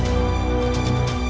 aku mau ke sana